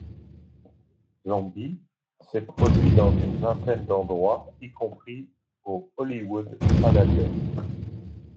Zombie s'est produit dans une vingtaine d'endroits y compris au Hollywood Palladium.